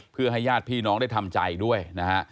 เพื่อให้ญาติพี่น้องได้ทำใจด้วยนะฮะ